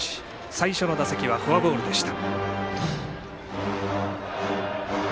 最初の打席はフォアボールでした。